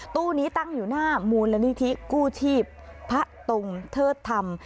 ตู้นี้ตั้งอยู่หน้ามูลนิธิกู้ชีพพระตรงเทิดธรรม